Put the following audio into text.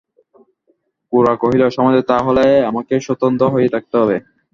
গোরা কহিল, সমাজে তা হলে আমাকে স্বতন্ত্র হয়েই থাকতে হবে।